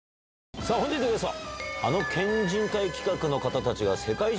さぁ本日のゲスト。